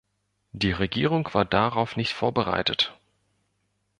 Die Regierung war darauf nicht vorbereitet.